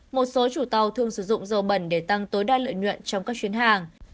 một số chủ tàu thường sử dụng dầu bẩn để tăng tối đa lợi nhuận trong các chuyến hàng